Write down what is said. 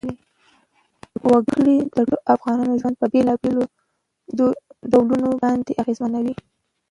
وګړي د ټولو افغانانو ژوند په بېلابېلو ډولونو باندې اغېزمنوي.